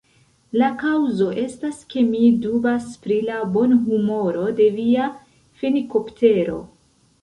La kaŭzo estas, ke mi dubas pri la bonhumoro de via fenikoptero.